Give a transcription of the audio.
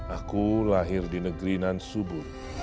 aku lahir di negeri nansubur